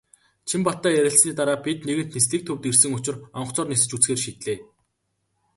Чинбаттай ярилцсаны дараа бид нэгэнт "Нислэг" төвд ирсэн учир онгоцоор нисэж үзэхээр шийдлээ.